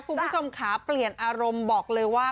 คุณผู้ชมขาเปลี่ยนอารมณ์บอกเลยว่า